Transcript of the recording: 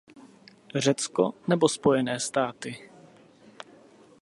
Řecko, nebo Spojené státy?